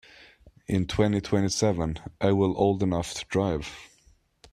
In twenty-twenty-seven I will old enough to drive.